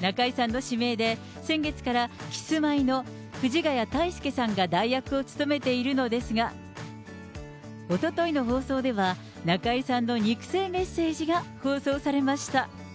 中居さんの指名で、先月からキスマイの藤ヶ谷太輔さんが代役を務めているのですが、おとといの放送では、中居さんの肉声メッセージが放送されました。